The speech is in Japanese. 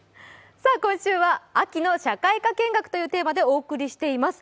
今週は「秋の社会科見学」というテーマでお送りしています。